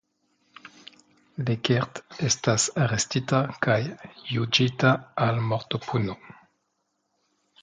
Lekert estas arestita kaj juĝita al mortopuno.